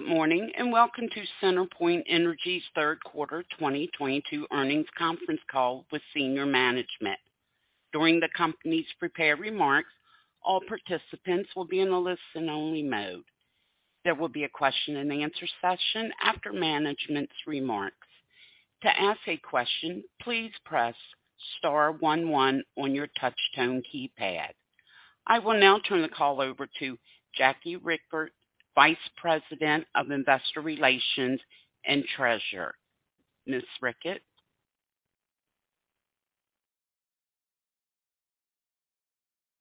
Good morning, and welcome to CenterPoint Energy's Third quarter 2022 Earnings Conference Call with senior management. During the company's prepared remarks, all participants will be in a listen-only mode. There will be a question-and-answer session after management's remarks. To ask a question, please press star one one on your touchtone keypad. I will now turn the call over to Jackie Richert, Vice President of Investor Relations and Treasurer. Ms. Richert?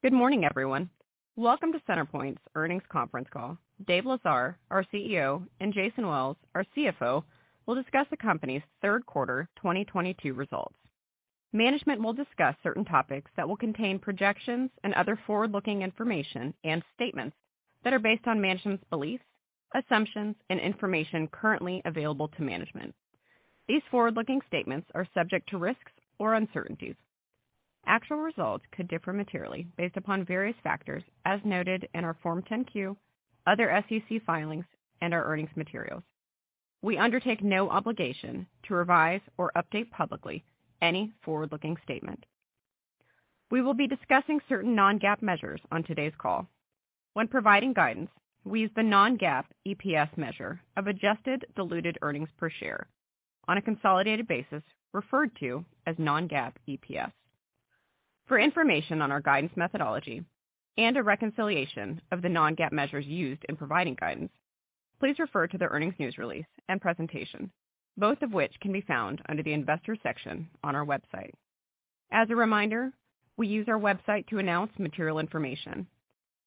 Good morning, everyone. Welcome to CenterPoint's Earnings Conference Call. Dave Lesar, our CEO, and Jason Wells, our CFO, will discuss the company's third quarter 2022 results. Management will discuss certain topics that will contain projections and other forward-looking information and statements that are based on management's beliefs, assumptions, and information currently available to management. These forward-looking statements are subject to risks or uncertainties. Actual results could differ materially based upon various factors as noted in our Form 10-Q, other SEC filings, and our earnings materials. We undertake no obligation to revise or update publicly any forward-looking statement. We will be discussing certain non-GAAP measures on today's call. When providing guidance, we use the non-GAAP EPS measure of adjusted diluted earnings per share on a consolidated basis, referred to as non-GAAP EPS. For information on our guidance methodology and a reconciliation of the non-GAAP measures used in providing guidance, please refer to the earnings news release and presentation, both of which can be found under the Investors section on our website. As a reminder, we use our website to announce material information.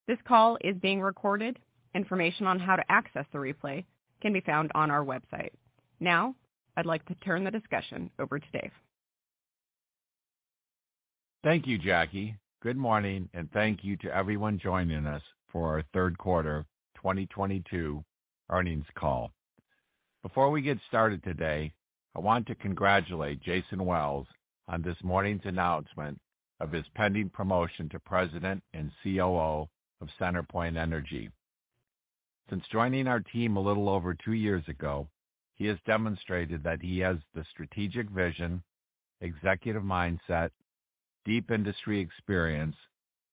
This call is being recorded. Information on how to access the replay can be found on our website. Now, I'd like to turn the discussion over to Dave. Thank you, Jackie. Good morning, and thank you to everyone joining us for our third quarter 2022 earnings call. Before we get started today, I want to congratulate Jason Wells on this morning's announcement of his pending promotion to President and COO of CenterPoint Energy. Since joining our team a little over two years ago, he has demonstrated that he has the strategic vision, executive mindset, deep industry experience,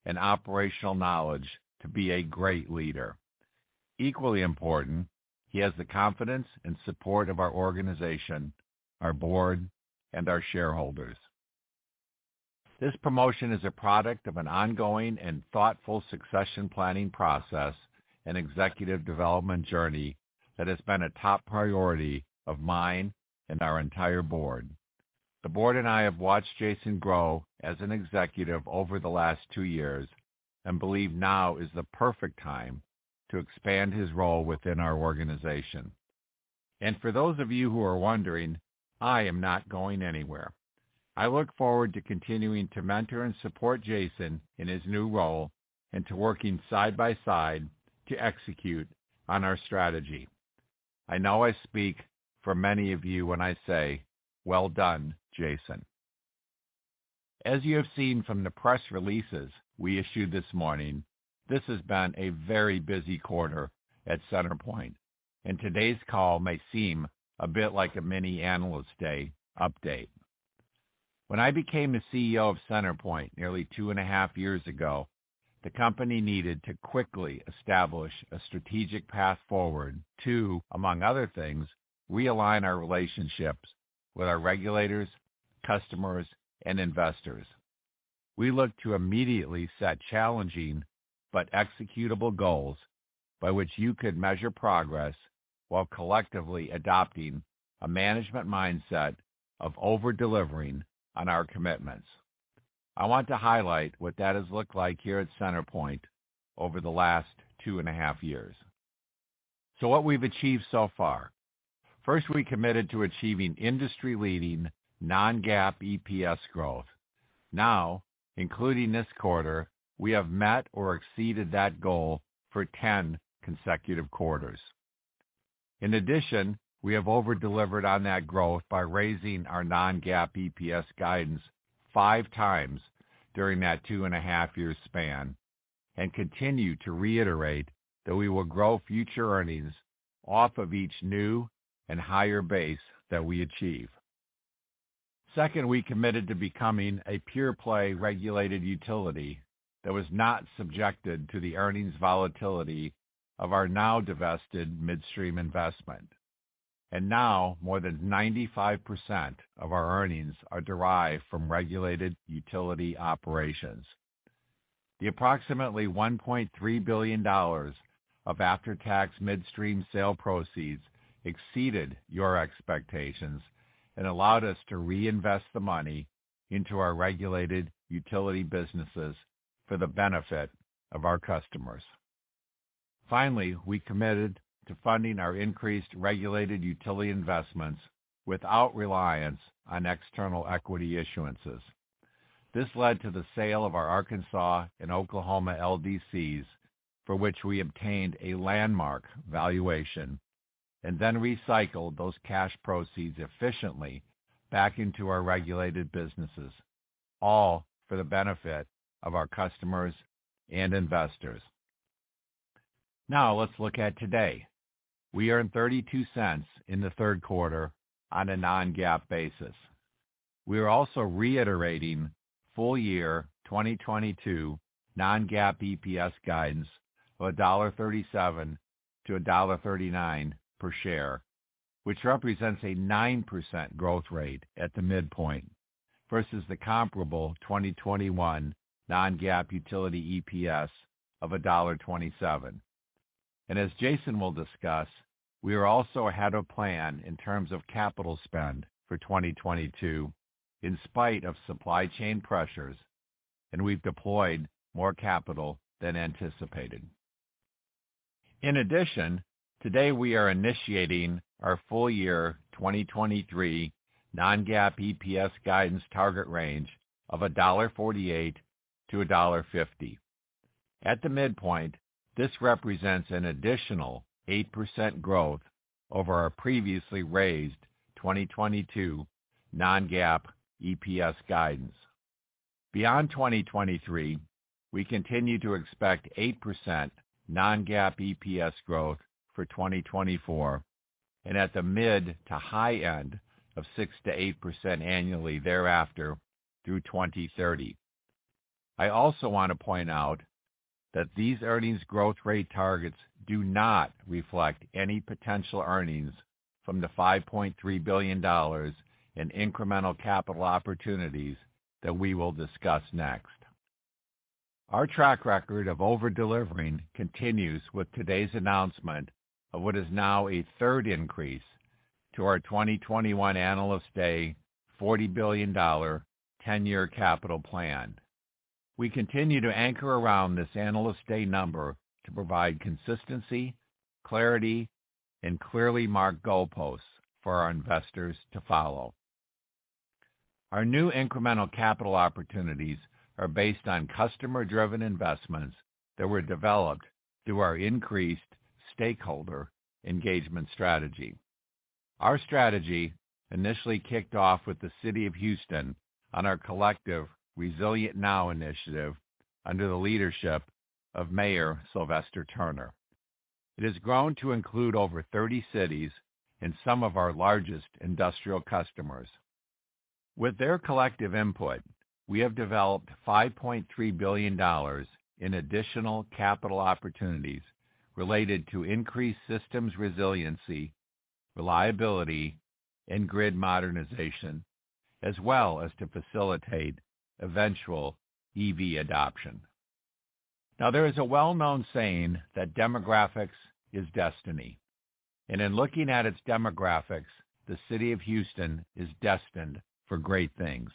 and operational knowledge to be a great leader. Equally important, he has the confidence and support of our organization, our board, and our shareholders. This promotion is a product of an ongoing and thoughtful succession planning process and executive development journey that has been a top priority of mine and our entire board. The board and I have watched Jason grow as an executive over the last two years and believe now is the perfect time to expand his role within our organization. For those of you who are wondering, I am not going anywhere. I look forward to continuing to mentor and support Jason in his new role and to working side by side to execute on our strategy. I know I speak for many of you when I say, "Well done, Jason." As you have seen from the press releases we issued this morning, this has been a very busy quarter at CenterPoint, and today's call may seem a bit like a mini Analyst Day update. When I became the CEO of CenterPoint nearly two and a half years ago, the company needed to quickly establish a strategic path forward to, among other things, realign our relationships with our regulators, customers, and investors. We looked to immediately set challenging but executable goals by which you could measure progress while collectively adopting a management mindset of over-delivering on our commitments. I want to highlight what that has looked like here at CenterPoint over the last two and a half years. What we've achieved so far. First, we committed to achieving industry-leading non-GAAP EPS growth. Now, including this quarter, we have met or exceeded that goal for 10 consecutive quarters. In addition, we have over-delivered on that growth by raising our non-GAAP EPS guidance 5x during that two and a half-year span and continue to reiterate that we will grow future earnings off of each new and higher base that we achieve. Second, we committed to becoming a pure play regulated utility that was not subjected to the earnings volatility of our now divested midstream investment. Now more than 95% of our earnings are derived from regulated utility operations. The approximately $1.3 billion of after-tax midstream sale proceeds exceeded your expectations and allowed us to reinvest the money into our regulated utility businesses for the benefit of our customers. Finally, we committed to funding our increased regulated utility investments without reliance on external equity issuances. This led to the sale of our Arkansas and Oklahoma LDCs, for which we obtained a landmark valuation and then recycled those cash proceeds efficiently back into our regulated businesses. All for the benefit of our customers and investors. Now let's look at today. We earned $0.32 in the third quarter on a non-GAAP basis. We are also reiterating full year 2022 non-GAAP EPS guidance of $1.37-$1.39 per share, which represents a 9% growth rate at the midpoint versus the comparable 2021 non-GAAP utility EPS of $1.27. As Jason will discuss, we are also ahead of plan in terms of capital spend for 2022 in spite of supply chain pressures, and we've deployed more capital than anticipated. In addition, today we are initiating our full year 2023 non-GAAP EPS guidance target range of $1.48-$1.50. At the midpoint, this represents an additional 8% growth over our previously raised 2022 non-GAAP EPS guidance. Beyond 2023, we continue to expect 8% non-GAAP EPS growth for 2024 and at the mid- to high-end of 6%-8% annually thereafter through 2030. I also want to point out that these earnings growth rate targets do not reflect any potential earnings from the $5.3 billion in incremental capital opportunities that we will discuss next. Our track record of over-delivering continues with today's announcement of what is now a third increase to our 2021 Analyst Day $40 billion ten-year capital plan. We continue to anchor around this Analyst Day number to provide consistency, clarity and clearly marked goalposts for our investors to follow. Our new incremental capital opportunities are based on customer-driven investments that were developed through our increased stakeholder engagement strategy. Our strategy initially kicked off with the City of Houston on our collective Resilient Now initiative under the leadership of Mayor Sylvester Turner. It has grown to include over 30 cities and some of our largest industrial customers. With their collective input, we have developed $5.3 billion in additional capital opportunities related to increased systems resiliency, reliability and grid modernization, as well as to facilitate eventual EV adoption. Now, there is a well-known saying that demographics is destiny. In looking at its demographics, the City of Houston is destined for great things.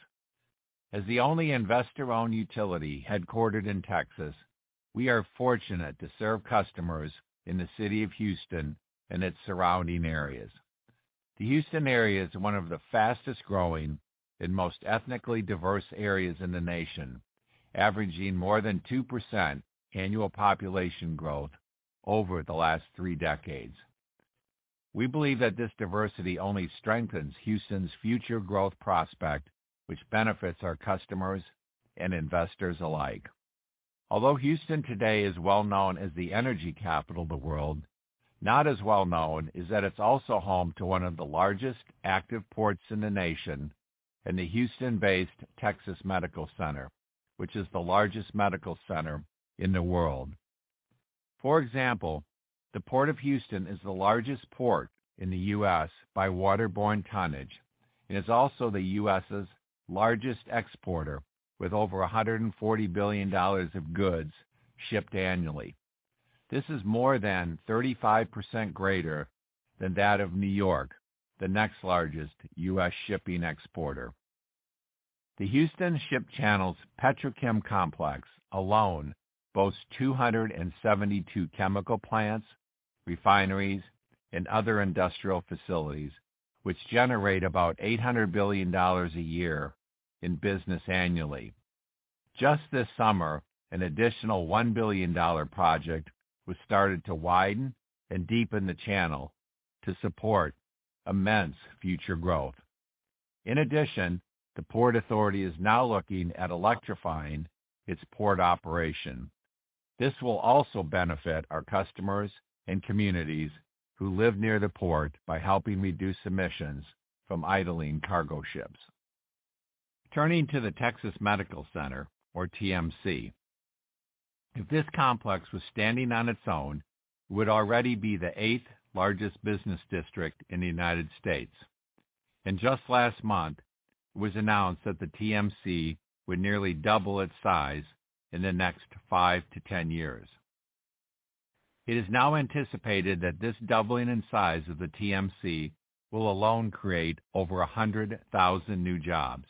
As the only investor-owned utility headquartered in Texas, we are fortunate to serve customers in the City of Houston and its surrounding areas. The Houston area is one of the fastest-growing and most ethnically diverse areas in the nation, averaging more than 2% annual population growth over the last three decades. We believe that this diversity only strengthens Houston's future growth prospect, which benefits our customers and investors alike. Although Houston today is well known as the energy capital of the world, not as well known is that it's also home to one of the largest active ports in the nation and the Houston-based Texas Medical Center, which is the largest medical center in the world. For example, the Port of Houston is the largest port in the U.S. by waterborne tonnage and is also the U.S.'s largest exporter, with over $140 billion of goods shipped annually. This is more than 35% greater than that of New York, the next largest U.S. shipping exporter. The Houston Ship Channel's petrochemical complex alone boasts 272 chemical plants, refineries and other industrial facilities which generate about $800 billion a year in business annually. Just this summer, an additional $1 billion project was started to widen and deepen the channel to support immense future growth. In addition, the Port Authority is now looking at electrifying its port operation. This will also benefit our customers and communities who live near the port by helping reduce emissions from idling cargo ships. Turning to the Texas Medical Center, or TMC, if this complex was standing on its own, it would already be the eighth largest business district in the United States. Just last month, it was announced that the TMC would nearly double its size in the next five to 10 years. It is now anticipated that this doubling in size of the TMC will alone create over 100,000 new jobs.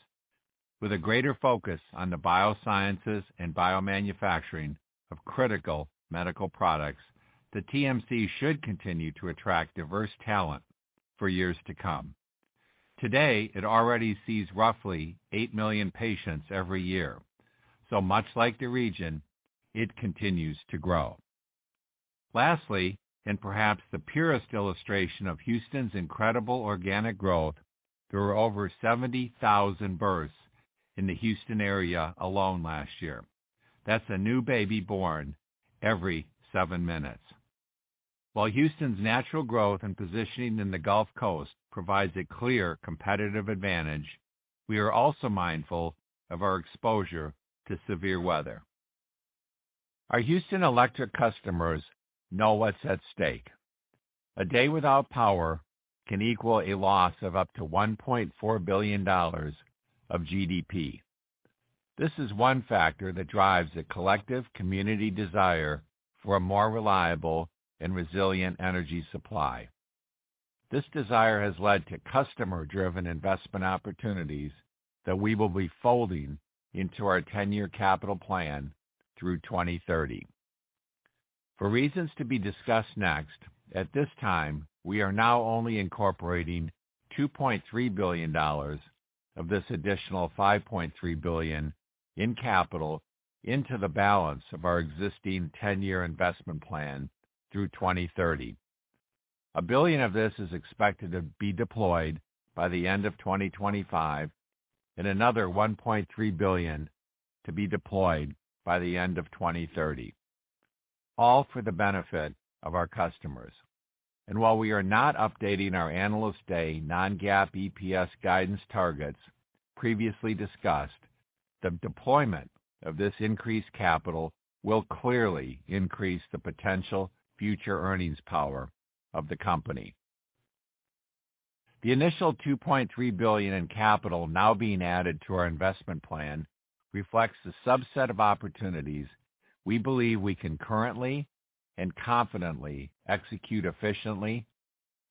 With a greater focus on the biosciences and biomanufacturing of critical medical products, the TMC should continue to attract diverse talent for years to come. Today, it already sees roughly eight million patients every year. Much like the region, it continues to grow. Lastly, and perhaps the purest illustration of Houston's incredible organic growth, there were over 70,000 births in the Houston area alone last year. That's a new baby born every seven minutes. While Houston's natural growth and positioning in the Gulf Coast provides a clear competitive advantage, we are also mindful of our exposure to severe weather. Our Houston Electric customers know what's at stake. A day without power can equal a loss of up to $1.4 billion of GDP. This is one factor that drives a collective community desire for a more reliable and resilient energy supply. This desire has led to customer-driven investment opportunities that we will be folding into our 10-year capital plan through 2030. For reasons to be discussed next, at this time, we are now only incorporating $2.3 billion of this additional $5.3 billion in capital into the balance of our existing 10-year investment plan through 2030. $1 billion of this is expected to be deployed by the end of 2025 and another $1.3 billion to be deployed by the end of 2030, all for the benefit of our customers. While we are not updating our Analyst Day non-GAAP EPS guidance targets previously discussed, the deployment of this increased capital will clearly increase the potential future earnings power of the company. The initial $2.3 billion in capital now being added to our investment plan reflects the subset of opportunities we believe we can currently and confidently execute efficiently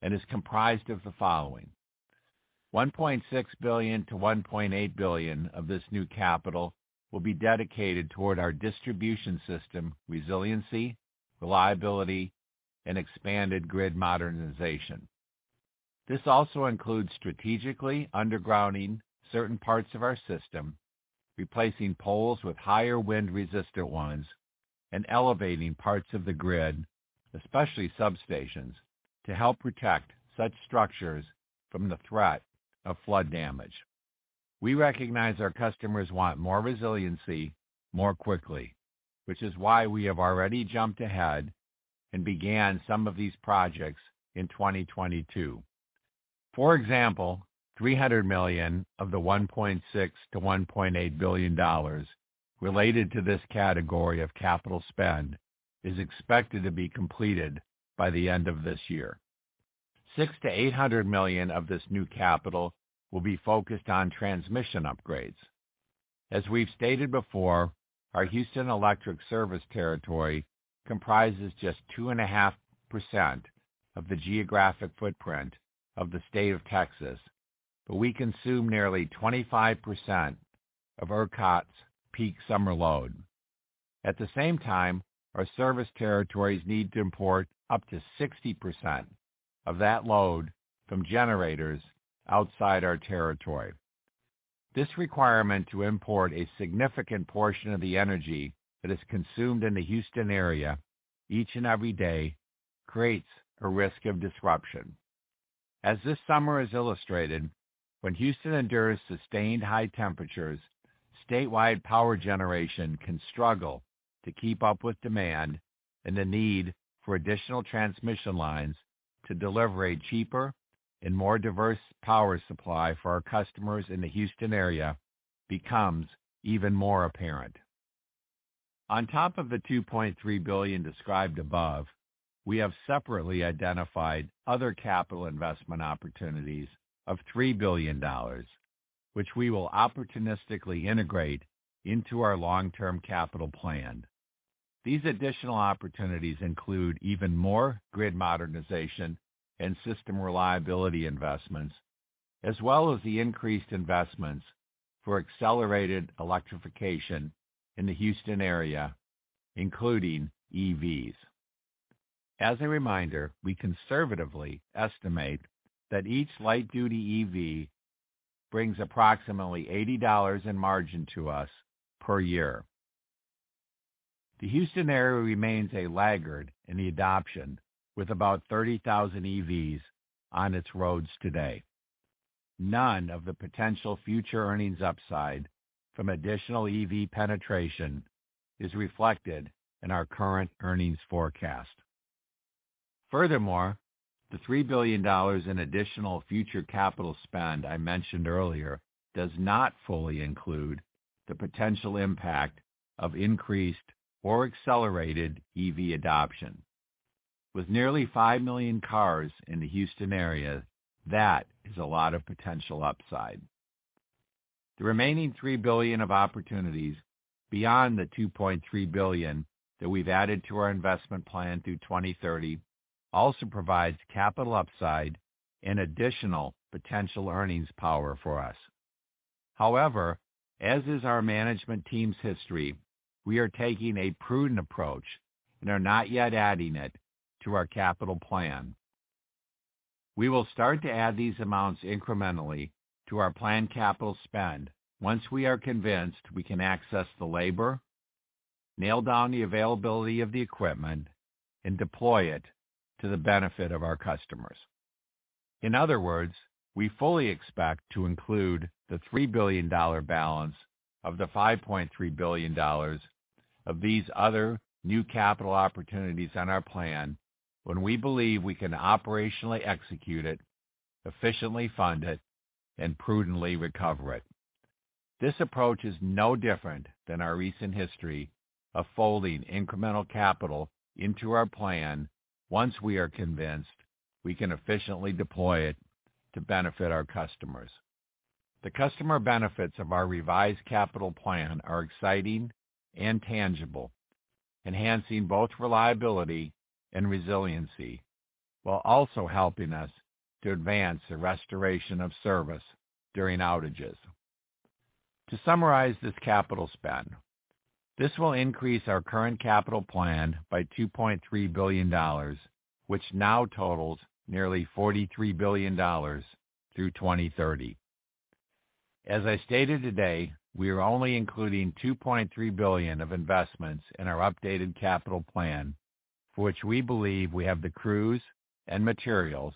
and is comprised of the following. $1.6 billion-$1.8 billion of this new capital will be dedicated toward our distribution system resiliency, reliability, and expanded grid modernization. This also includes strategically undergrounding certain parts of our system, replacing poles with higher wind-resistant ones, and elevating parts of the grid, especially substations, to help protect such structures from the threat of flood damage. We recognize our customers want more resiliency more quickly, which is why we have already jumped ahead and began some of these projects in 2022. For example, $300 million of the $1.6-$1.8 billion related to this category of capital spend is expected to be completed by the end of this year. $600-$800 million of this new capital will be focused on transmission upgrades. As we've stated before, our Houston Electric service territory comprises just 2.5% of the geographic footprint of the state of Texas, but we consume nearly 25% of ERCOT's peak summer load. At the same time, our service territories need to import up to 60% of that load from generators outside our territory. This requirement to import a significant portion of the energy that is consumed in the Houston area each and every day creates a risk of disruption. As this summer has illustrated, when Houston endures sustained high temperatures, statewide power generation can struggle to keep up with demand and the need for additional transmission lines to deliver a cheaper and more diverse power supply for our customers in the Houston area becomes even more apparent. On top of the $2.3 billion described above, we have separately identified other capital investment opportunities of $3 billion, which we will opportunistically integrate into our long-term capital plan. These additional opportunities include even more grid modernization and system reliability investments, as well as the increased investments for accelerated electrification in the Houston area, including EVs. As a reminder, we conservatively estimate that each light-duty EV brings approximately $80 in margin to us per year. The Houston area remains a laggard in the adoption, with about 30,000 EVs on its roads today. None of the potential future earnings upside from additional EV penetration is reflected in our current earnings forecast. Furthermore, the $3 billion in additional future capital spend I mentioned earlier does not fully include the potential impact of increased or accelerated EV adoption. With nearly five million cars in the Houston area, that is a lot of potential upside. The remaining $3 billion of opportunities beyond the $2.3 billion that we've added to our investment plan through 2030 also provides capital upside and additional potential earnings power for us. However, as is our management team's history, we are taking a prudent approach and are not yet adding it to our capital plan. We will start to add these amounts incrementally to our planned capital spend once we are convinced we can access the labor, nail down the availability of the equipment, and deploy it to the benefit of our customers. In other words, we fully expect to include the $3 billion balance of the $5.3 billion of these other new capital opportunities on our plan when we believe we can operationally execute it, efficiently fund it, and prudently recover it. This approach is no different than our recent history of folding incremental capital into our plan once we are convinced we can efficiently deploy it to benefit our customers. The customer benefits of our revised capital plan are exciting and tangible, enhancing both reliability and resiliency, while also helping us to advance the restoration of service during outages. To summarize this capital spend, this will increase our current capital plan by $2.3 billion, which now totals nearly $43 billion through 2030. As I stated today, we are only including $2.3 billion of investments in our updated capital plan, for which we believe we have the crews and materials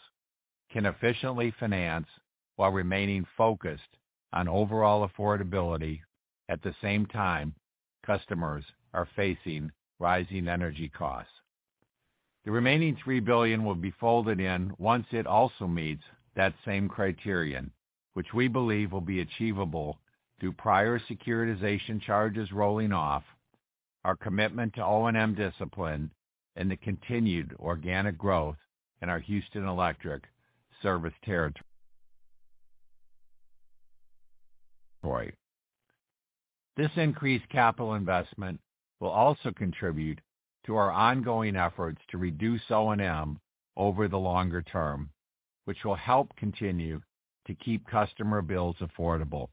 can efficiently finance while remaining focused on overall affordability at the same time, customers are facing rising energy costs. The remaining $3 billion will be folded in once it also meets that same criterion, which we believe will be achievable through prior securitization charges rolling off, our commitment to O&M discipline, and the continued organic growth in our Houston Electric service territory. This increased capital investment will also contribute to our ongoing efforts to reduce O&M over the longer term, which will help continue to keep customer bills affordable.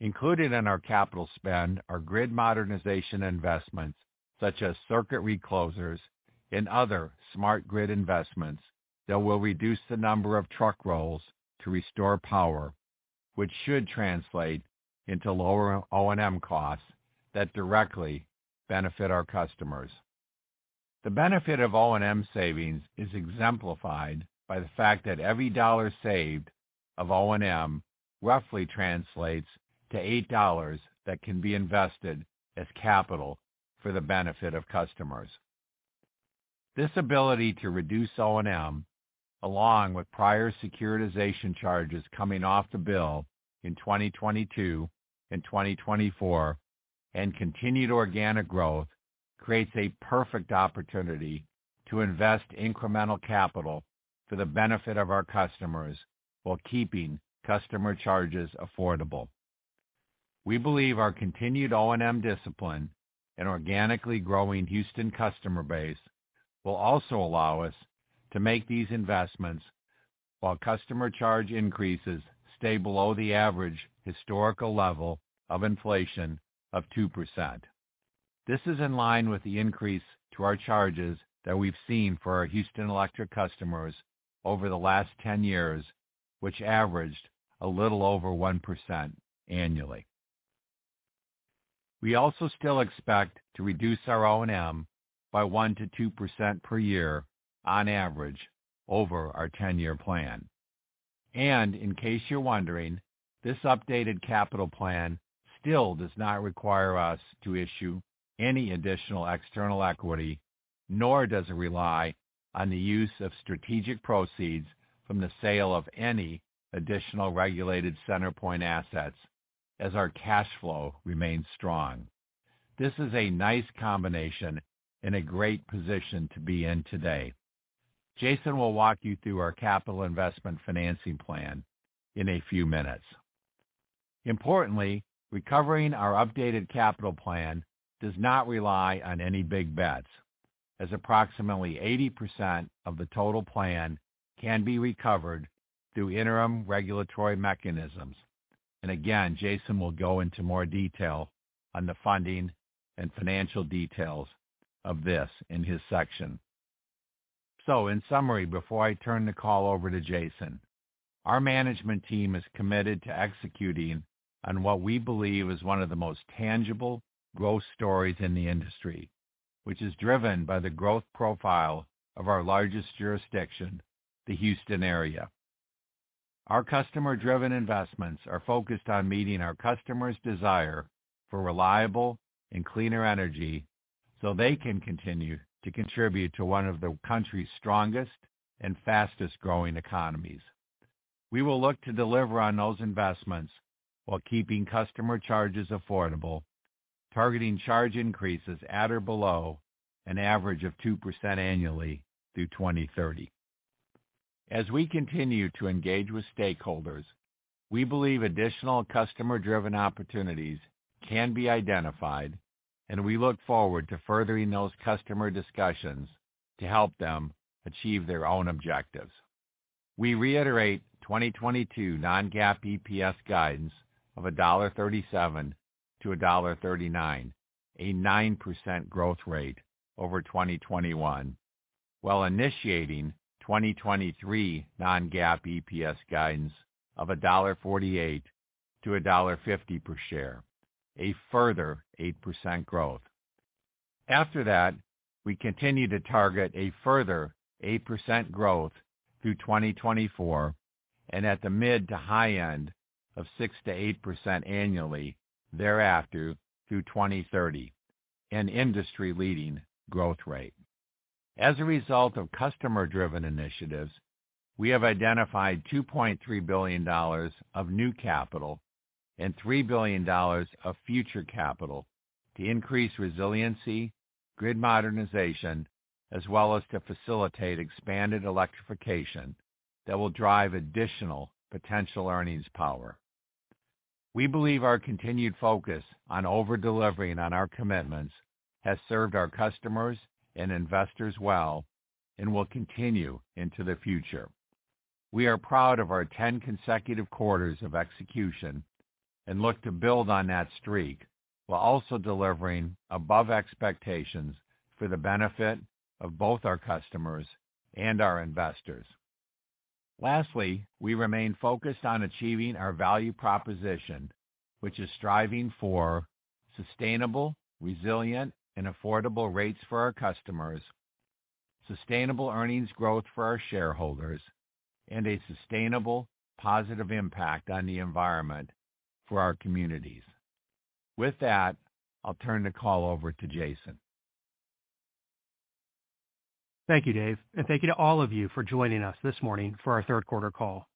Included in our capital spend are grid modernization investments such as circuit reclosers and other smart grid investments that will reduce the number of truck rolls to restore power, which should translate into lower O&M costs that directly benefit our customers. The benefit of O&M savings is exemplified by the fact that every dollar saved of O&M roughly translates to 8$ that can be invested as capital for the benefit of customers. This ability to reduce O&M, along with prior securitization charges coming off the bill in 2022 and 2024 and continued organic growth, creates a perfect opportunity to invest incremental capital for the benefit of our customers while keeping customer charges affordable. We believe our continued O&M discipline and organically growing Houston customer base will also allow us to make these investments while customer charge increases stay below the average historical level of inflation of 2%. This is in line with the increase to our charges that we've seen for our Houston Electric customers over the last 10 years, which averaged a little over 1% annually. We also still expect to reduce our O&M by 1%-2% per year on average over our 10-year plan. In case you're wondering, this updated capital plan still does not require us to issue any additional external equity, nor does it rely on the use of strategic proceeds from the sale of any additional regulated CenterPoint assets as our cash flow remains strong. This is a nice combination and a great position to be in today. Jason will walk you through our capital investment financing plan in a few minutes. Importantly, recovering our updated capital plan does not rely on any big bets, as approximately 80% of the total plan can be recovered through interim regulatory mechanisms. Again, Jason will go into more detail on the funding and financial details of this in his section. In summary, before I turn the call over to Jason, our management team is committed to executing on what we believe is one of the most tangible growth stories in the industry, which is driven by the growth profile of our largest jurisdiction, the Houston area. Our customer-driven investments are focused on meeting our customers' desire for reliable and cleaner energy so they can continue to contribute to one of the country's strongest and fastest-growing economies. We will look to deliver on those investments while keeping customer charges affordable, targeting charge increases at or below an average of 2% annually through 2030. As we continue to engage with stakeholders, we believe additional customer-driven opportunities can be identified, and we look forward to furthering those customer discussions to help them achieve their own objectives. We reiterate 2022 non-GAAP EPS guidance of $1.37-$1.39, a 9% growth rate over 2021, while initiating 2023 non-GAAP EPS guidance of $1.48-$1.50 per share, a further 8% growth. After that, we continue to target a further 8% growth through 2024 and at the mid to high end of 6%-8% annually thereafter through 2030, an industry-leading growth rate. As a result of customer-driven initiatives, we have identified $2.3 billion of new capital and $3 billion of future capital to increase resiliency, grid modernization, as well as to facilitate expanded electrification that will drive additional potential earnings power. We believe our continued focus on over-delivering on our commitments has served our customers and investors well and will continue into the future. We are proud of our 10 consecutive quarters of execution and look to build on that streak while also delivering above expectations for the benefit of both our customers and our investors. Lastly, we remain focused on achieving our value proposition, which is striving for sustainable, resilient, and affordable rates for our customers, sustainable earnings growth for our shareholders, and a sustainable positive impact on the environment for our communities. With that, I'll turn the call over to Jason. Thank you, Dave, and thank you to all of you for joining us this morning for our third quarter call.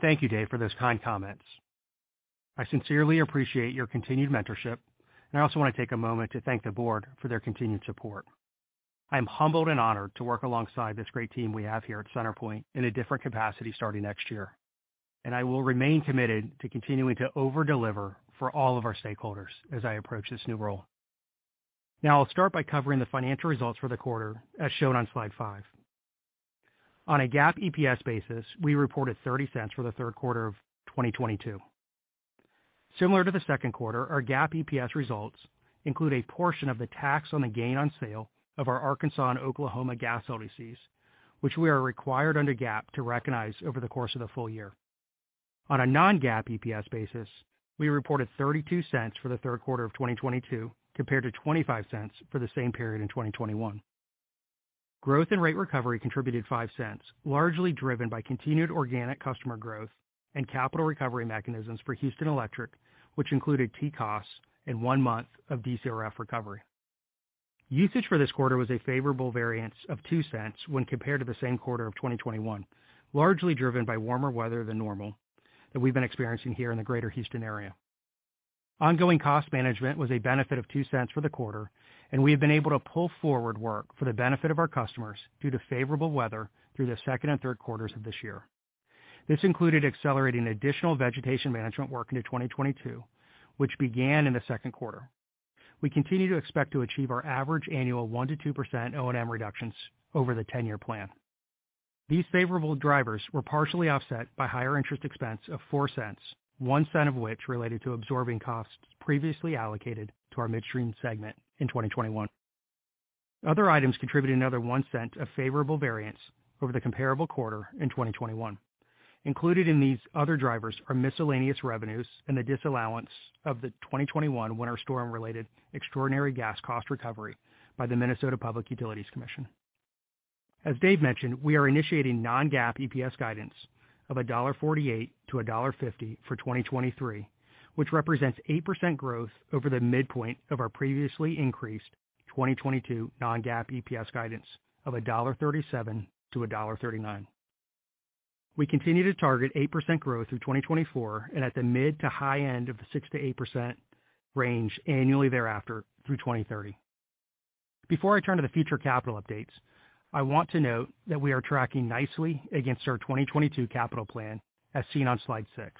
Thank you, Dave, for those kind comments. I sincerely appreciate your continued mentorship, and I also want to take a moment to thank the board for their continued support. I'm humbled and honored to work alongside this great team we have here at CenterPoint in a different capacity starting next year, and I will remain committed to continuing to over-deliver for all of our stakeholders as I approach this new role. Now, I'll start by covering the financial results for the quarter as shown on slide five. On a GAAP EPS basis, we reported $0.30 for the third quarter of 2022. Similar to the second quarter, our GAAP EPS results include a portion of the tax on the gain on sale of our Arkansas and Oklahoma gas LDCs, which we are required under GAAP to recognize over the course of the full year. On a non-GAAP EPS basis, we reported $0.32 for the third quarter of 2022 compared to $0.25 for the same period in 2021. Growth and rate recovery contributed $0.05, largely driven by continued organic customer growth and capital recovery mechanisms for Houston Electric, which included TCOS and one month of DCRF recovery. Usage for this quarter was a favorable variance of $0.02 when compared to the same quarter of 2021, largely driven by warmer weather than normal that we've been experiencing here in the Greater Houston area. Ongoing cost management was a benefit of $0.02 for the quarter, and we have been able to pull forward work for the benefit of our customers due to favorable weather through the second and third quarters of this year. This included accelerating additional vegetation management work into 2022, which began in the second quarter. We continue to expect to achieve our average annual 1%-2% O&M reductions over the 10-year plan. These favorable drivers were partially offset by higher interest expense of $0.04, $0.01 of which related to absorbing costs previously allocated to our midstream segment in 2021. Other items contributed another $0.01 of favorable variance over the comparable quarter in 2021. Included in these other drivers are miscellaneous revenues and the disallowance of the 2021 Winter Storm related extraordinary gas cost recovery by the Minnesota Public Utilities Commission. As Dave mentioned, we are initiating non-GAAP EPS guidance of $1.48-$1.50 for 2023, which represents 8% growth over the midpoint of our previously increased 2022 non-GAAP EPS guidance of $1.37-$1.39. We continue to target 8% growth through 2024 and at the mid- to high end of the 6%-8% range annually thereafter through 2030. Before I turn to the future capital updates, I want to note that we are tracking nicely against our 2022 capital plan as seen on slide 6.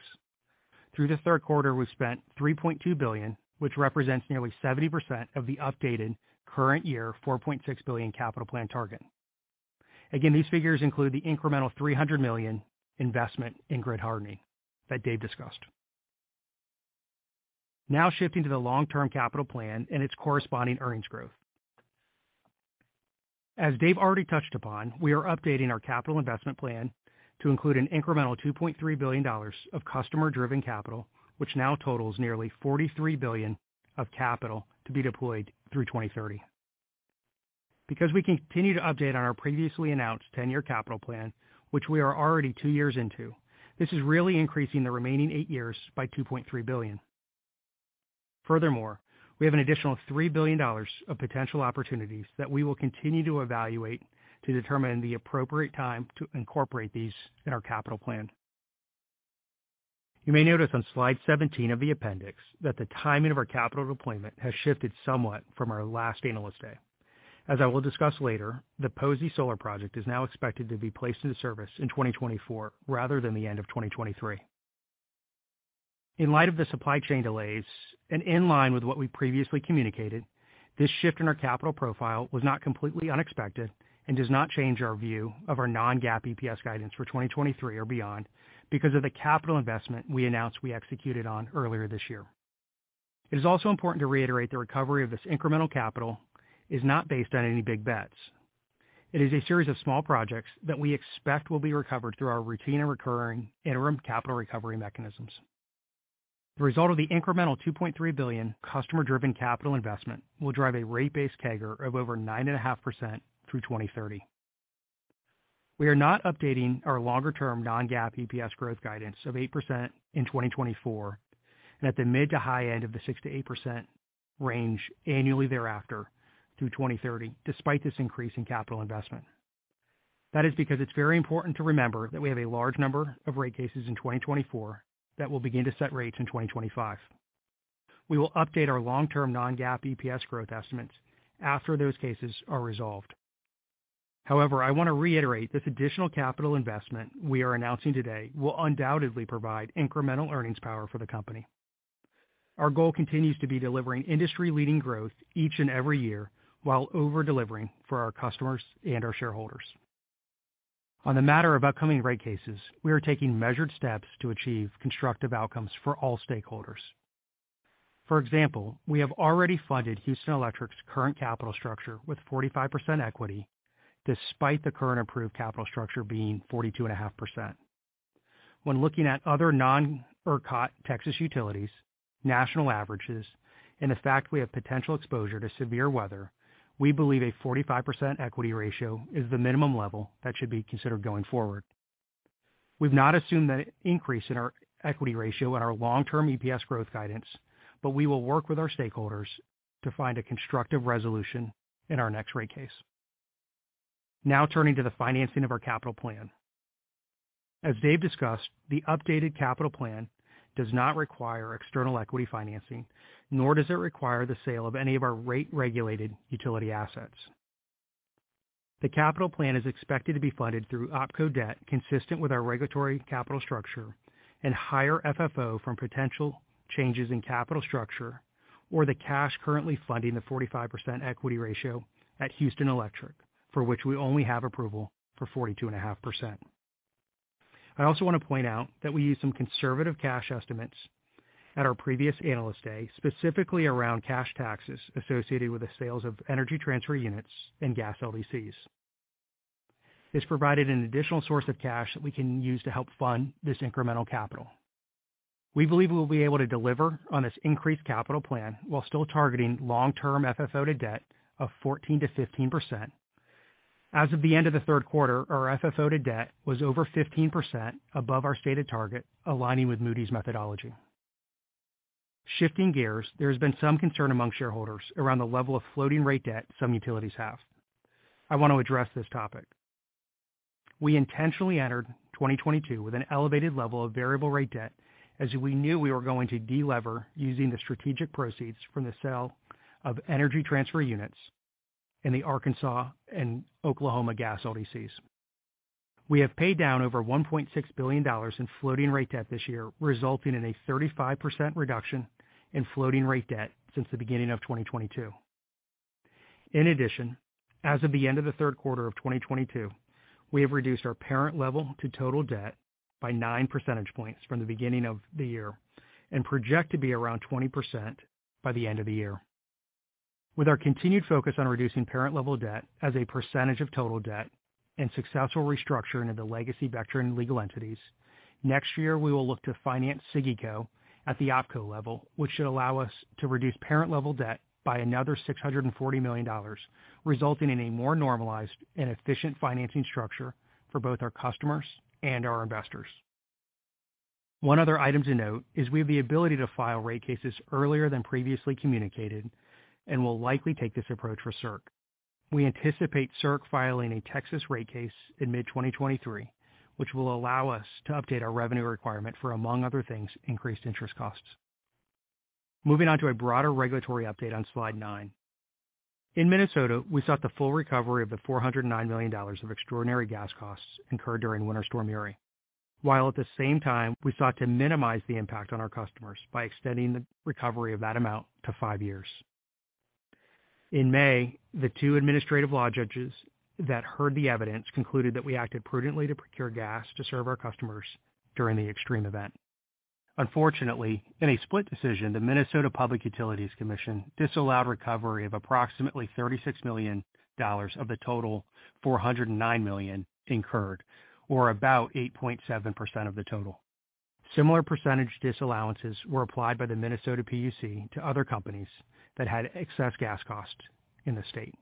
Through the third quarter, we've spent $3.2 billion, which represents nearly 70% of the updated current year $4.6 billion capital plan target. Again, these figures include the incremental $300 million investment in grid hardening that Dave discussed. Now shifting to the long-term capital plan and its corresponding earnings growth. As Dave already touched upon, we are updating our capital investment plan to include an incremental $2.3 billion of customer-driven capital, which now totals nearly $43 billion of capital to be deployed through 2030. Because we continue to update on our previously announced 10-year capital plan, which we are already two years into, this is really increasing the remaining eight years by $2.3 billion. Furthermore, we have an additional $3 billion of potential opportunities that we will continue to evaluate to determine the appropriate time to incorporate these in our capital plan. You may notice on slide 17 of the appendix that the timing of our capital deployment has shifted somewhat from our last Analyst Day. As I will discuss later, the Posey Solar Project is now expected to be placed into service in 2024 rather than the end of 2023. In light of the supply chain delays and in line with what we previously communicated. This shift in our capital profile was not completely unexpected and does not change our view of our non-GAAP EPS guidance for 2023 or beyond because of the capital investment we announced we executed on earlier this year. It is also important to reiterate the recovery of this incremental capital is not based on any big bets. It is a series of small projects that we expect will be recovered through our routine and recurring interim capital recovery mechanisms. The result of the incremental $2.3 billion customer-driven capital investment will drive a rate base CAGR of over 9.5% through 2030. We are not updating our longer-term non-GAAP EPS growth guidance of 8% in 2024 and at the mid to high end of the 6%-8% range annually thereafter through 2030, despite this increase in capital investment. That is because it's very important to remember that we have a large number of rate cases in 2024 that will begin to set rates in 2025. We will update our long-term non-GAAP EPS growth estimates after those cases are resolved. However, I want to reiterate this additional capital investment we are announcing today will undoubtedly provide incremental earnings power for the company. Our goal continues to be delivering industry-leading growth each and every year while over-delivering for our customers and our shareholders. On the matter of upcoming rate cases, we are taking measured steps to achieve constructive outcomes for all stakeholders. For example, we have already funded Houston Electric's current capital structure with 45% equity, despite the current approved capital structure being 42.5%. When looking at other non-ERCOT Texas utilities, national averages, and the fact we have potential exposure to severe weather, we believe a 45% equity ratio is the minimum level that should be considered going forward. We've not assumed that an increase in our equity ratio in our long-term EPS growth guidance, but we will work with our stakeholders to find a constructive resolution in our next rate case. Now turning to the financing of our capital plan. As Dave discussed, the updated capital plan does not require external equity financing, nor does it require the sale of any of our rate-regulated utility assets. The capital plan is expected to be funded through OpCo debt consistent with our regulatory capital structure and higher FFO from potential changes in capital structure or the cash currently funding the 45% equity ratio at Houston Electric, for which we only have approval for 42.5%. I also want to point out that we used some conservative cash estimates at our previous Analyst Day, specifically around cash taxes associated with the sales of Energy Transfer units and gas LDCs. This provided an additional source of cash that we can use to help fund this incremental capital. We believe we'll be able to deliver on this increased capital plan while still targeting long-term FFO to debt of 14%-15%. As of the end of the third quarter, our FFO to debt was over 15% above our stated target, aligning with Moody's methodology. Shifting gears, there has been some concern among shareholders around the level of floating rate debt some utilities have. I want to address this topic. We intentionally entered 2022 with an elevated level of variable rate debt as we knew we were going to delever using the strategic proceeds from the sale of Energy Transfer units in the Arkansas and Oklahoma gas LDCs. We have paid down over $1.6 billion in floating rate debt this year, resulting in a 35% reduction in floating rate debt since the beginning of 2022. In addition, as of the end of the third quarter of 2022, we have reduced our parent level to total debt by 9 percentage points from the beginning of the year and project to be around 20% by the end of the year. With our continued focus on reducing parent level debt as a percentage of total debt and successful restructuring of the legacy Vectren and legal entities, next year we will look to finance SIGECO at the OpCo level, which should allow us to reduce parent level debt by another $640 million, resulting in a more normalized and efficient financing structure for both our customers and our investors. One other item to note is we have the ability to file rate cases earlier than previously communicated and will likely take this approach for CERC. We anticipate CERC filing a Texas rate case in mid-2023, which will allow us to update our revenue requirement for, among other things, increased interest costs. Moving on to a broader regulatory update on slide nine. In Minnesota, we sought the full recovery of the $409 million of extraordinary gas costs incurred during Winter Storm Uri, while at the same time, we sought to minimize the impact on our customers by extending the recovery of that amount to 5 years. In May, the two administrative law judges that heard the evidence concluded that we acted prudently to procure gas to serve our customers during the extreme event. Unfortunately, in a split decision, the Minnesota Public Utilities Commission disallowed recovery of approximately $36 million of the total $409 million incurred, or about 8.7% of the total. Similar percentage disallowances were applied by the Minnesota PUC to other companies that had excess gas costs in the state.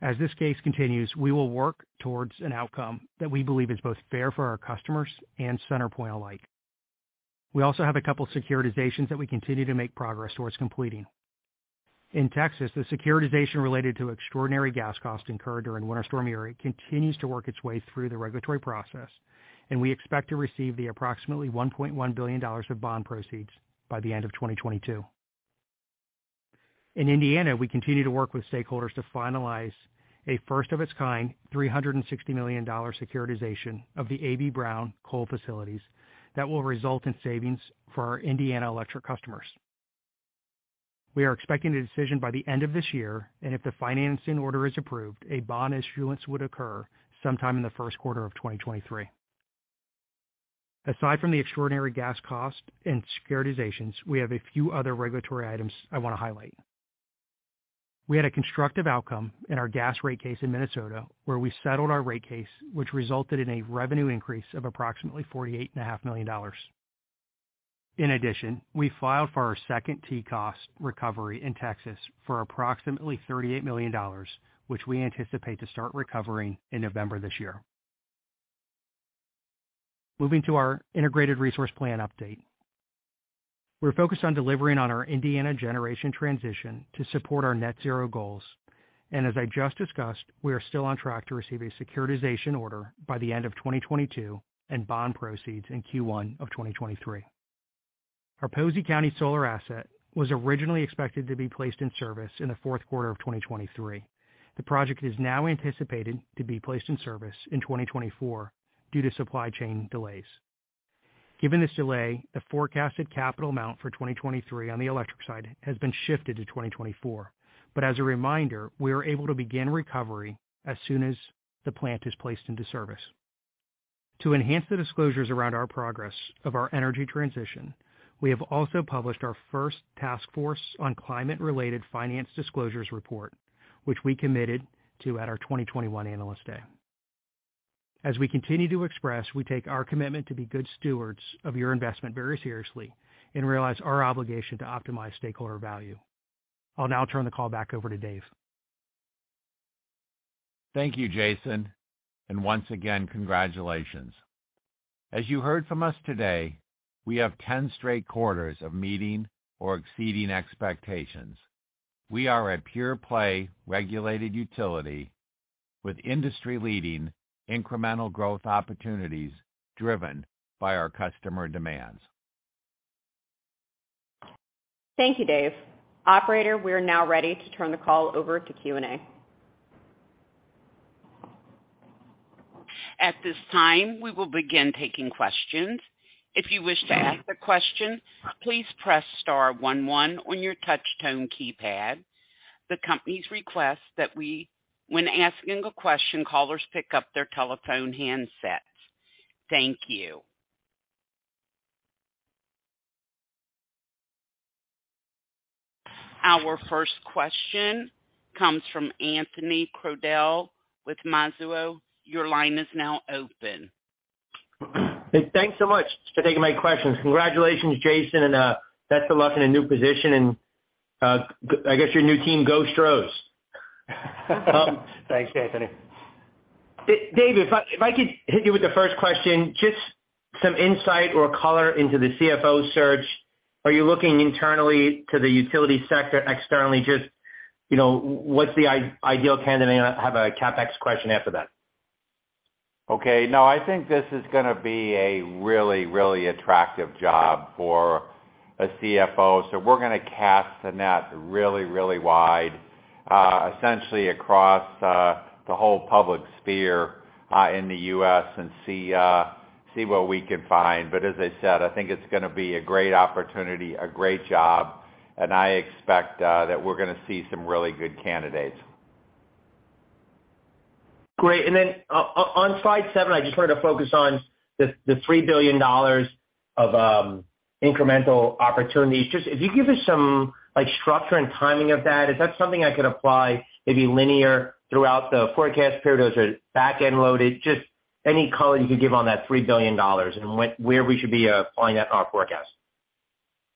As this case continues, we will work towards an outcome that we believe is both fair for our customers and CenterPoint alike. We also have a couple securitizations that we continue to make progress towards completing. In Texas, the securitization related to extraordinary gas costs incurred during Winter Storm Uri continues to work its way through the regulatory process, and we expect to receive the approximately $1.1 billion of bond proceeds by the end of 2022. In Indiana, we continue to work with stakeholders to finalize a first of its kind, $360 million securitization of the AB Brown coal facilities that will result in savings for our Indiana electric customers. We are expecting a decision by the end of this year, and if the financing order is approved, a bond issuance would occur sometime in the first quarter of 2023. Aside from the extraordinary gas cost and securitizations, we have a few other regulatory items I want to highlight. We had a constructive outcome in our gas rate case in Minnesota, where we settled our rate case, which resulted in a revenue increase of approximately $48.5 million. In addition, we filed for our second TCOS recovery in Texas for approximately $38 million, which we anticipate to start recovering in November this year. Moving to our Integrated Resource Plan update. We're focused on delivering on our Indiana generation transition to support our net zero goals. As I just discussed, we are still on track to receive a securitization order by the end of 2022 and bond proceeds in Q1 of 2023. Our Posey County solar asset was originally expected to be placed in service in the fourth quarter of 2023. The project is now anticipated to be placed in service in 2024 due to supply chain delays. Given this delay, the forecasted capital amount for 2023 on the electric side has been shifted to 2024. As a reminder, we are able to begin recovery as soon as the plant is placed into service. To enhance the disclosures around our progress of our energy transition, we have also published our first Task Force on Climate-related Financial Disclosures report, which we committed to at our 2021 Analyst Day. As we continue to express, we take our commitment to be good stewards of your investment very seriously and realize our obligation to optimize stakeholder value. I'll now turn the call back over to Dave. Thank you, Jason, and once again, congratulations. As you heard from us today, we have 10 straight quarters of meeting or exceeding expectations. We are a pure-play regulated utility with industry-leading incremental growth opportunities driven by our customer demands. Thank you, Dave. Operator, we are now ready to turn the call over to Q&A. At this time, we will begin taking questions. If you wish to ask a question, please press star one one on your touch tone keypad. The company's request that when asking a question, callers pick up their telephone handsets. Thank you. Our first question comes from Anthony Crowdell with Mizuho. Your line is now open. Thanks so much for taking my questions. Congratulations, Jason, and best of luck in a new position. I guess your new team go Astros. Thanks, Anthony. Dave, if I could hit you with the first question, just some insight or color into the CFO search. Are you looking internally or externally to the utility sector? Just, you know, what's the ideal candidate? I have a CapEx question after that. Okay. No, I think this is gonna be a really, really attractive job for a CFO. We're gonna cast the net really, really wide, essentially across the whole public sphere in the US and see what we can find. As I said, I think it's gonna be a great opportunity, a great job, and I expect that we're gonna see some really good candidates. Great. On slide seven, I just wanted to focus on the $3 billion of incremental opportunities. If you could give us some like structure and timing of that. Is that something I could apply maybe linear throughout the forecast period, or is it back-end loaded? Just any color you could give on that $3 billion and where we should be applying that in our forecast.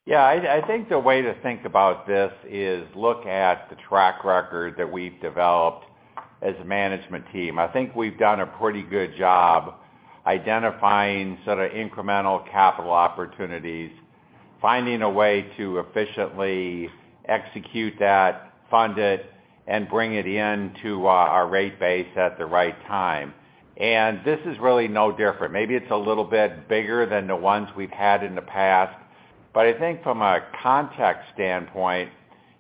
Yeah, I think the way to think about this is look at the track record that we've developed as a management team. I think we've done a pretty good job identifying sort of incremental capital opportunities, finding a way to efficiently execute that, fund it, and bring it into our rate base at the right time. This is really no different. Maybe it's a little bit bigger than the ones we've had in the past. I think from a context standpoint,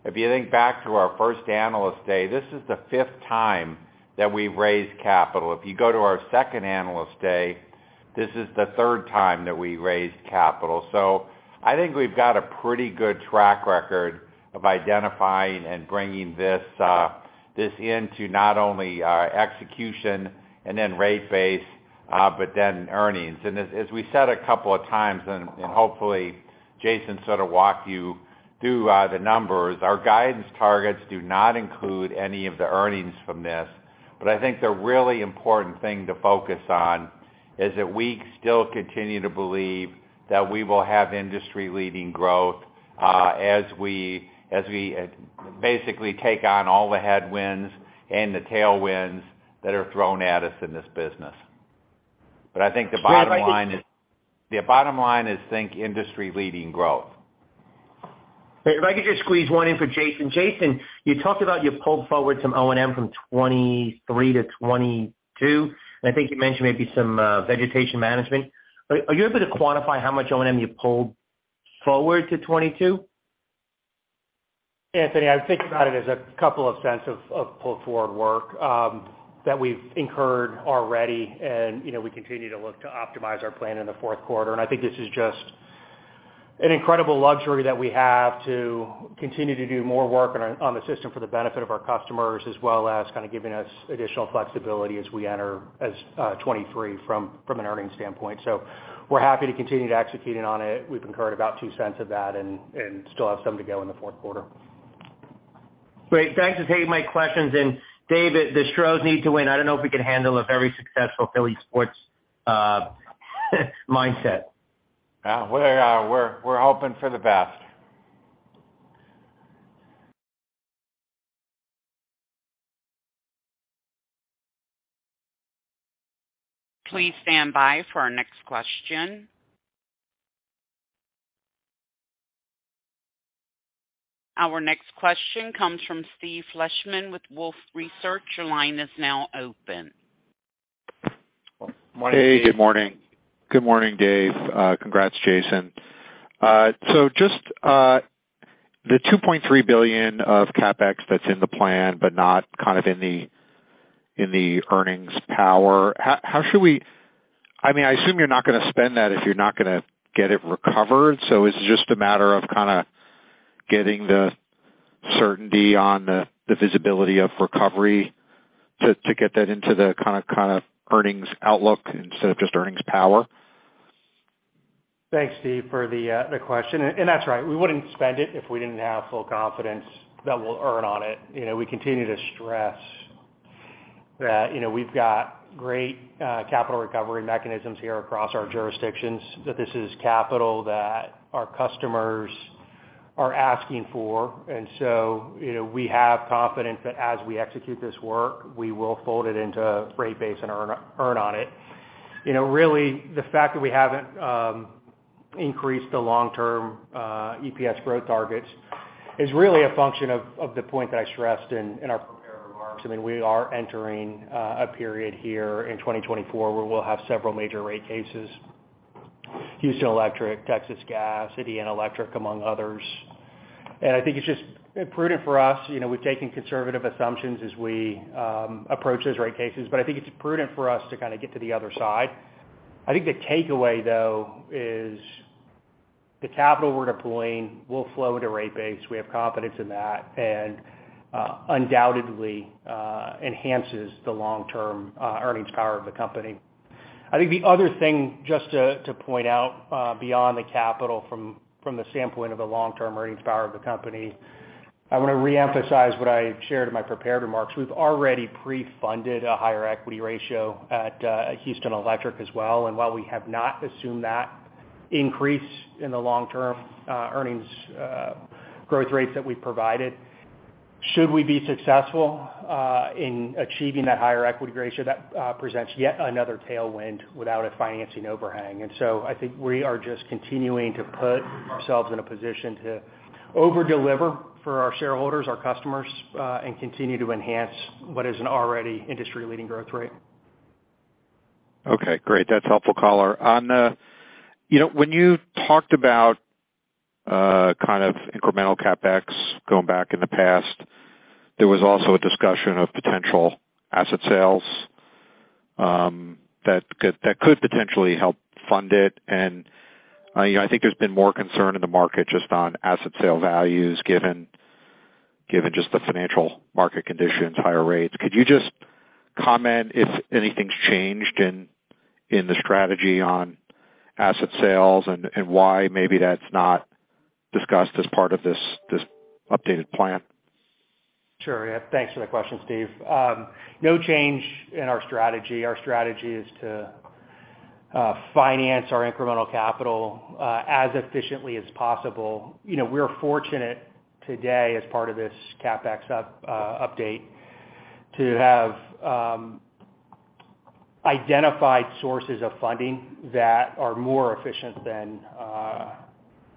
if you think back to our first Analyst Day, this is the fifth time that we've raised capital. If you go to our second Analyst Day, this is the third time that we raised capital. I think we've got a pretty good track record of identifying and bringing this into not only execution and then rate base, but then earnings. As we said a couple of times, and hopefully Jason sort of walked you through the numbers, our guidance targets do not include any of the earnings from this. I think the really important thing to focus on is that we still continue to believe that we will have industry-leading growth, as we basically take on all the headwinds and the tailwinds that are thrown at us in this business. I think the bottom line is Dave, if I could. The bottom line is think industry-leading growth. If I could just squeeze one in for Jason. Jason, you talked about you pulled forward some O&M from 2023 to 2022, and I think you mentioned maybe some vegetation management. Are you able to quantify how much O&M you pulled forward to 2022? Anthony, I would think about it as a couple of cents of pull forward work that we've incurred already. You know, we continue to look to optimize our plan in the fourth quarter. I think this is just an incredible luxury that we have to continue to do more work on the system for the benefit of our customers, as well as kind of giving us additional flexibility as we enter 2023 from an earnings standpoint. We're happy to continue to executing on it. We've incurred about $0.02 of that and still have some to go in the fourth quarter. Great. Thanks for taking my questions. Dave, the Astros need to win. I don't know if we can handle a very successful Philly sports mindset. Yeah, we're hoping for the best. Please stand by for our next question. Our next question comes from Steve Fleishman with Wolfe Research. Your line is now open. Hey, good morning. Good morning, Dave. Congrats, Jason. So just the $2.3 billion of CapEx that's in the plan, but not kind of in the earnings power, how should we—I mean, I assume you're not gonna spend that if you're not gonna get it recovered. Is it just a matter of kinda getting the certainty on the visibility of recovery to get that into the kinda earnings outlook instead of just earnings power? Thanks, Steve, for the question. That's right. We wouldn't spend it if we didn't have full confidence that we'll earn on it. You know, we continue to stress that, you know, we've got great capital recovery mechanisms here across our jurisdictions, that this is capital that our customers are asking for. You know, we have confidence that as we execute this work, we will fold it into rate base and earn on it. You know, really the fact that we haven't increased the long-term EPS growth targets is really a function of the point that I stressed in our prepared remarks. I mean, we are entering a period here in 2024, where we'll have several major rate cases, Houston Electric, Texas Gas, Indiana Electric, among others. I think it's just prudent for us. You know, we've taken conservative assumptions as we approach those rate cases, but I think it's prudent for us to kinda get to the other side. I think the takeaway, though, is the capital we're deploying will flow into rate base. We have confidence in that, and undoubtedly enhances the long-term earnings power of the company. I think the other thing just to point out beyond the capital from the standpoint of the long-term earnings power of the company, I wanna reemphasize what I shared in my prepared remarks. We've already pre-funded a higher equity ratio at Houston Electric as well. While we have not assumed that increase in the long-term earnings growth rates that we've provided, should we be successful in achieving that higher equity ratio, that presents yet another tailwind without a financing overhang. I think we are just continuing to put ourselves in a position to over-deliver for our shareholders, our customers, and continue to enhance what is an already industry-leading growth rate. Okay, great. That's helpful color. You know, when you talked about kind of incremental CapEx going back in the past, there was also a discussion of potential asset sales that could potentially help fund it. You know, I think there's been more concern in the market just on asset sale values given just the financial market conditions, higher rates. Could you just comment if anything's changed in the strategy on asset sales and why maybe that's not discussed as part of this updated plan? Sure. Yeah. Thanks for the question, Steve. No change in our strategy. Our strategy is to finance our incremental capital as efficiently as possible. You know, we're fortunate today as part of this CapEx update to have identified sources of funding that are more efficient than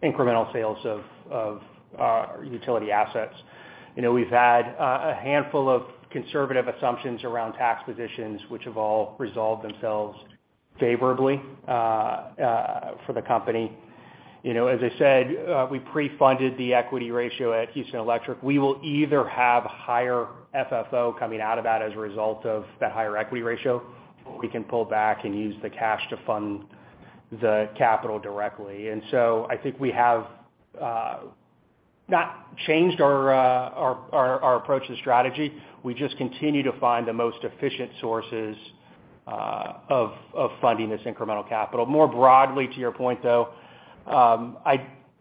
incremental sales of utility assets. You know, we've had a handful of conservative assumptions around tax positions which have all resolved themselves favorably for the company. You know, as I said, we pre-funded the equity ratio at Houston Electric. We will either have higher FFO coming out of that as a result of that higher equity ratio, or we can pull back and use the cash to fund the capital directly. I think we have not changed our approach to the strategy. We just continue to find the most efficient sources of funding this incremental capital. More broadly to your point, though,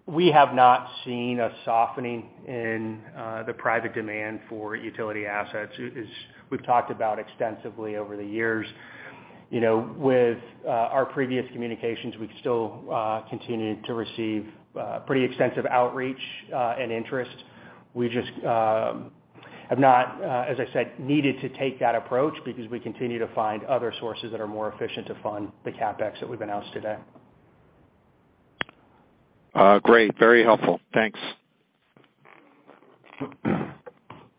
we have not seen a softening in the private demand for utility assets. We've talked about extensively over the years. You know, with our previous communications, we've still continued to receive pretty extensive outreach and interest. We just have not, as I said, needed to take that approach because we continue to find other sources that are more efficient to fund the CapEx that we've announced today. Great. Very helpful. Thanks.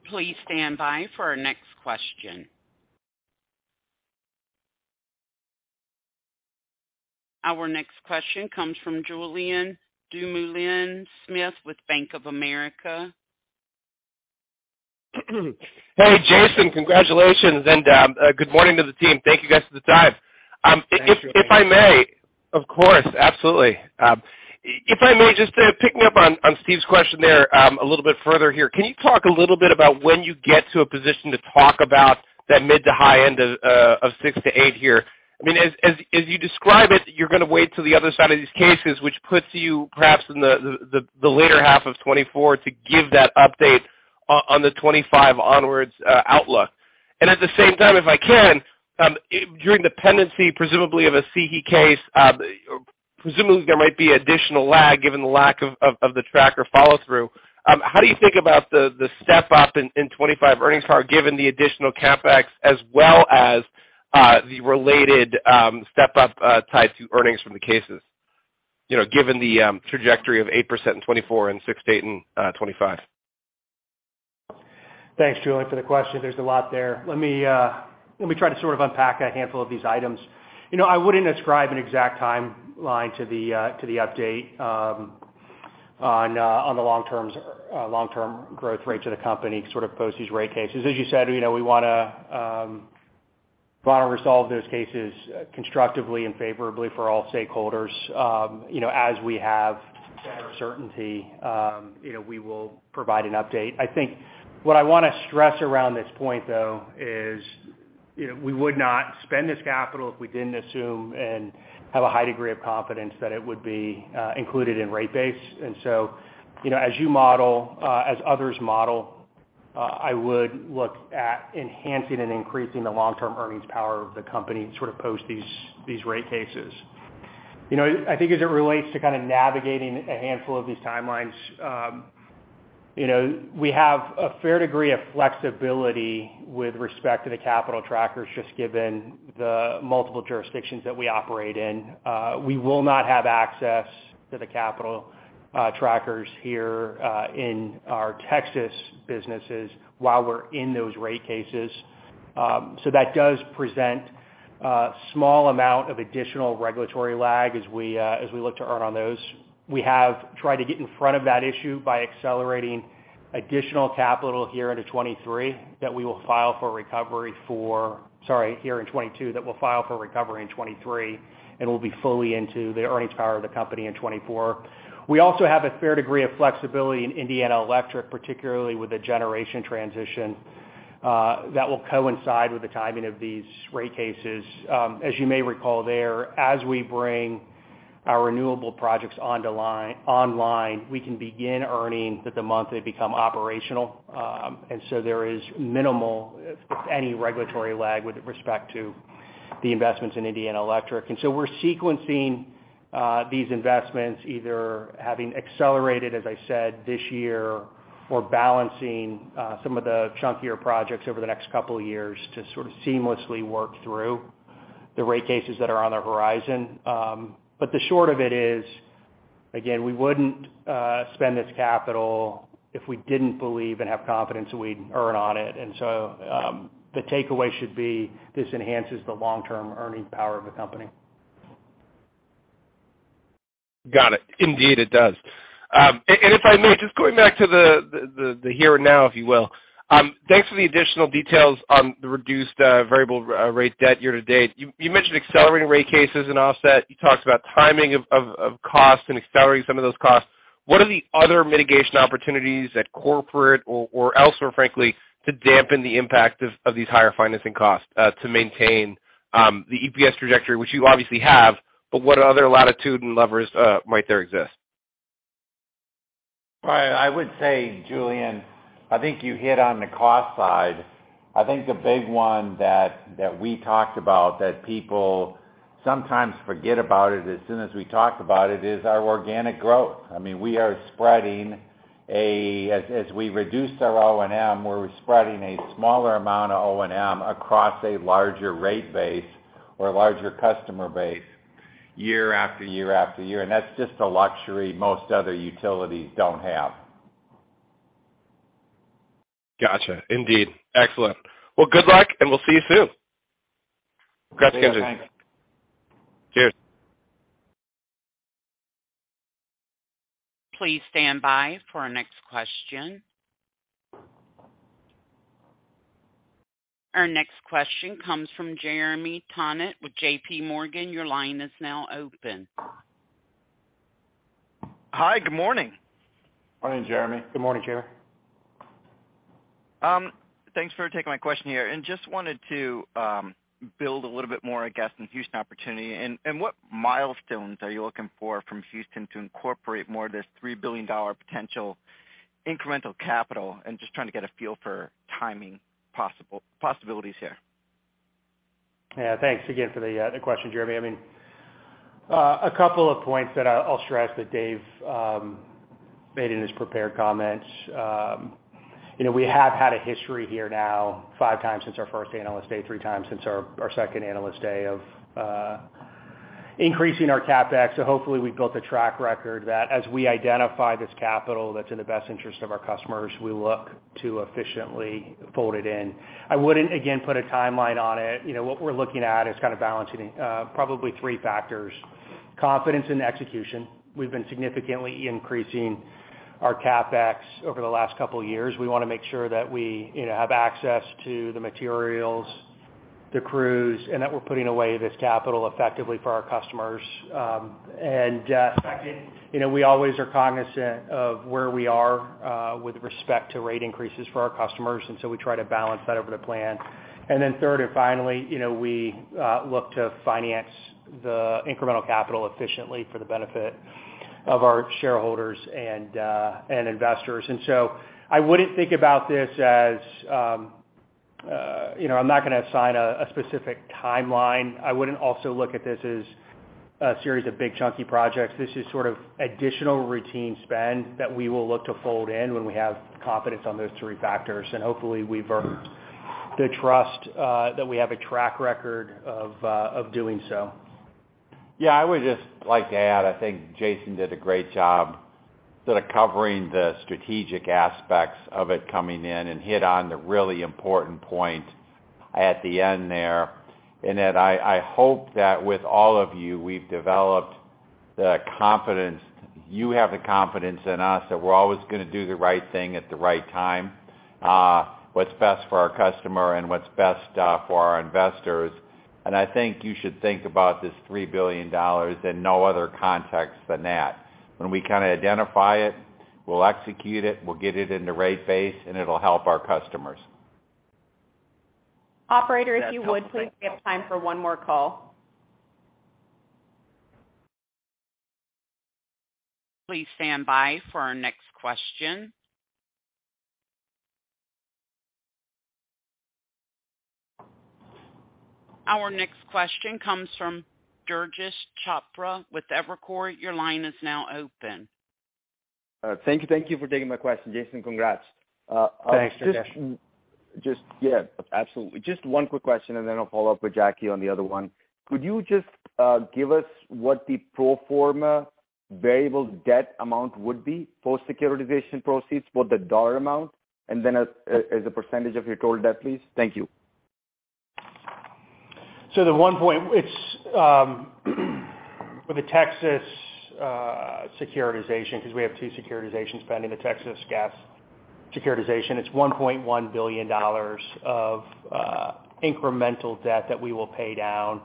Please stand by for our next question. Our next question comes from Julien Dumoulin-Smith with Bank of America. Hey, Jason. Congratulations and good morning to the team. Thank you guys for the time. Thanks, Julien. If I may. Of course, absolutely. If I may, just picking up on Steve's question there, a little bit further here. Can you talk a little bit about when you get to a position to talk about that mid- to high end of 6%-8% here? I mean, as you describe it, you're gonna wait till the other side of these cases, which puts you perhaps in the later half of 2024 to give that update on the 2025 onwards outlook. At the same time, if I can, during the pendency presumably of a CE case, presumably there might be additional lag given the lack of the tracker follow through. How do you think about the step up in 2025 earnings power, given the additional CapEx as well as the related step up tied to earnings from the cases, you know, given the trajectory of 8% in 2024 and 6%-8% in 2025? Thanks, Julien, for the question. There's a lot there. Let me try to sort of unpack a handful of these items. You know, I wouldn't ascribe an exact timeline to the update on the long-term growth rates of the company sort of post these rate cases. As you said, you know, we wanna resolve those cases constructively and favorably for all stakeholders. You know, as we have better certainty, you know, we will provide an update. I think what I wanna stress around this point, though, is, you know, we would not spend this capital if we didn't assume and have a high degree of confidence that it would be included in rate base. You know, as you model, as others model, I would look at enhancing and increasing the long-term earnings power of the company, sort of post these rate cases. You know, I think as it relates to kind of navigating a handful of these timelines, you know, we have a fair degree of flexibility with respect to the capital trackers, just given the multiple jurisdictions that we operate in. We will not have access to the capital trackers here in our Texas businesses while we're in those rate cases. That does present a small amount of additional regulatory lag as we look to earn on those. We have tried to get in front of that issue by accelerating additional capital here in 2022 that we'll file for recovery in 2023, and we'll be fully into the earnings power of the company in 2024. We also have a fair degree of flexibility in Indiana Electric, particularly with the generation transition, that will coincide with the timing of these rate cases. As you may recall there, as we bring our renewable projects online, we can begin earning in the month they become operational. There is minimal, if any, regulatory lag with respect to the investments in Indiana Electric. We're sequencing these investments, either having accelerated, as I said, this year, or balancing some of the chunkier projects over the next couple of years to sort of seamlessly work through the rate cases that are on the horizon. The short of it is, again, we wouldn't spend this capital if we didn't believe and have confidence that we'd earn on it. The takeaway should be this enhances the long-term earning power of the company. Got it. Indeed, it does. And if I may, just going back to the here and now, if you will. Thanks for the additional details on the reduced variable rate debt year to date. You mentioned accelerating rate cases and offset. You talked about timing of costs and accelerating some of those costs. What are the other mitigation opportunities at corporate or elsewhere, frankly, to dampen the impact of these higher financing costs to maintain the EPS trajectory which you obviously have, but what other latitude and levers might there exist? I would say, Julien, I think you hit on the cost side. I think the big one that we talked about that people sometimes forget about it as soon as we talk about it is our organic growth. I mean, we are spreading as we reduce our O&M, we're spreading a smaller amount of O&M across a larger rate base or a larger customer base year after year after year. That's just a luxury most other utilities don't have. Gotcha. Indeed. Excellent. Well, good luck, and we'll see you soon. Thanks. Cheers. Please stand by for our next question. Our next question comes from Jeremy Tonet with JPMorgan. Your line is now open. Hi. Good morning. Morning, Jeremy. Good morning, Jeremy. Thanks for taking my question here. Just wanted to build a little bit more, I guess, on the Houston opportunity. What milestones are you looking for from Houston to incorporate more of this $3 billion potential incremental capital? Just trying to get a feel for timing possibilities here. Yeah. Thanks again for the question, Jeremy. I mean, a couple of points that I'll stress that Dave made in his prepared comments. You know, we have had a history here now five times since our first Analyst Day, three times since our second Analyst Day of increasing our CapEx. Hopefully, we've built a track record that as we identify this capital that's in the best interest of our customers, we look to efficiently fold it in. I wouldn't, again, put a timeline on it. You know, what we're looking at is kind of balancing probably three factors. Confidence in execution. We've been significantly increasing our CapEx over the last couple years. We wanna make sure that we, you know, have access to the materials, the crews, and that we're putting away this capital effectively for our customers. You know, we always are cognizant of where we are with respect to rate increases for our customers, and so we try to balance that over the plan. Third and finally, you know, we look to finance the incremental capital efficiently for the benefit of our shareholders and investors. I wouldn't think about this as. You know, I'm not gonna assign a specific timeline. I wouldn't also look at this as a series of big chunky projects. This is sort of additional routine spend that we will look to fold in when we have confidence on those three factors. Hopefully we've earned the trust that we have a track record of doing so. Yeah, I would just like to add, I think Jason did a great job sort of covering the strategic aspects of it coming in and hit on the really important point at the end there, in that I hope that with all of you we've developed the confidence you have the confidence in us that we're always gonna do the right thing at the right time, what's best for our customer and what's best for our investors. I think you should think about this $3 billion in no other context than that. When we kinda identify it, we'll execute it, we'll get it into rate base, and it'll help our customers. Operator, if you would please, we have time for one more call. Please stand by for our next question. Our next question comes from Durgesh Chopra with Evercore. Your line is now open. Thank you. Thank you for taking my question. Jason, congrats. Thanks, Durgesh. Yeah, absolutely. Just one quick question, and then I'll follow up with Jackie on the other one. Could you just give us what the pro forma variable debt amount would be post-securitization proceeds, what the dollar amount, and then as a percentage of your total debt, please? Thank you. It's for the Texas securitization, 'cause we have two securitizations pending, the Texas Gas securitization, it's $1.1 billion of incremental debt that we will pay down.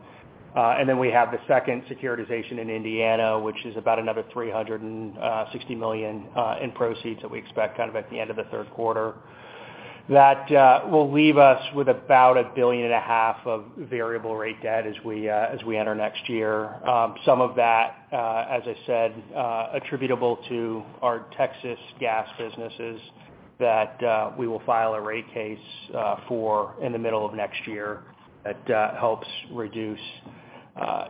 Then we have the second securitization in Indiana, which is about another $360 million in proceeds that we expect kind of at the end of the third quarter. That will leave us with about $1.5 billion of variable rate debt as we enter next year. Some of that, as I said, attributable to our Texas Gas businesses that we will file a rate case for in the middle of next year that helps reduce,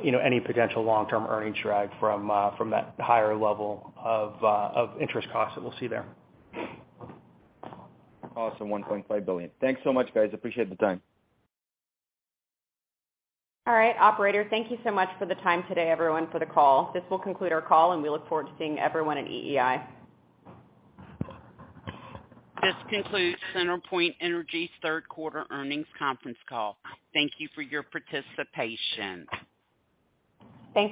you know, any potential long-term earnings drag from that higher level of interest costs that we'll see there. Awesome, $1.5 billion. Thanks so much, guys. Appreciate the time. All right. Operator, thank you so much for the time today, everyone, for the call. This will conclude our call, and we look forward to seeing everyone at EEI. This concludes CenterPoint Energy's third quarter earnings conference call. Thank you for your participation. Thank you.